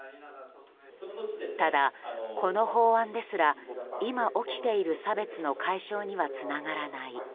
ただ、この法案ですら今起きている差別の解消にはつながらない。